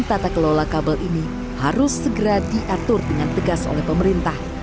tata kelola kabel ini harus segera diatur dengan tegas oleh pemerintah